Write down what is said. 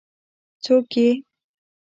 څوک يې؟